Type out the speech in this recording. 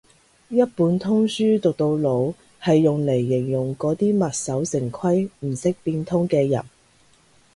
一本通書讀到老係用嚟形容嗰啲墨守成規唔識變通嘅人